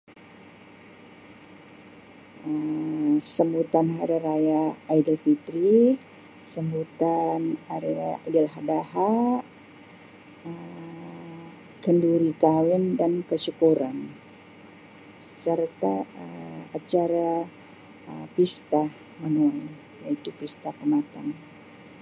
Um Sambutan Hari Raya Aidilfitri, sambutan Hari Raya Aidiladha, Um kenduri kahwin dan kesyukuran, serta Um acara Um Pesta Menuai iaitu Pesta Kaamatan.